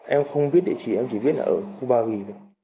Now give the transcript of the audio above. em không biết địa chỉ em chỉ biết là ở ba vì